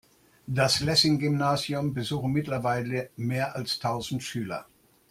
Das Lessing-Gymnasium besuchen mittlerweile mehr als tausend Schüler.